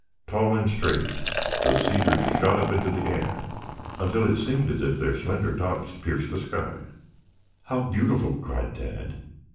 Tall and straight, the cedars shot up into the air until it seemed as if their slender tops pierced the sky. "How beautiful!" cried Tad.